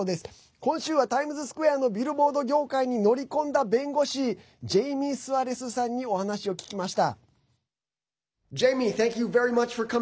今週はタイムズスクエアのビルボード業界に乗り込んだ弁護士ジェイミー・スアレスさんにお話を聞きました。